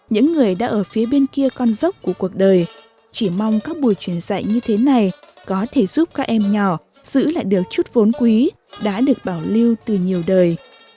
những người đã ở phía bên kia con dốc của cuộc đời chỉ mong các buổi truyền dạy như thế này có thể giúp các em nhỏ giữ lại được chút vốn quý đã được bảo lưu từ nhiều đời